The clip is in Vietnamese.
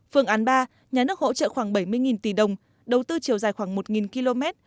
phương án ba nhà nước hỗ trợ khoảng bảy mươi tỷ đồng đầu tư chiều dài khoảng một km